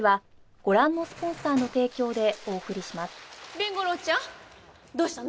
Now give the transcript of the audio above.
凛吾郎ちゃんどうしたの？